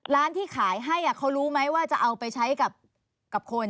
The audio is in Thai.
ร้านที่ขายให้เขารู้ไหมว่าจะเอาไปใช้กับคน